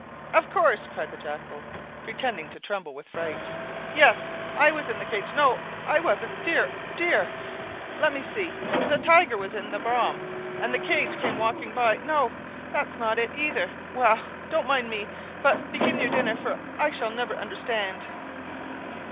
"Of course!" cried the Jackal, pretending to tremble with fright; "yes I was in the cage—no I wasn't—dear! dear, where are my wits? Let me see—the Tiger was in the Brahman, and the cage came walking by—no, that's not it, either! Well, don't mind me, but begin your dinner, for I shall never understand!"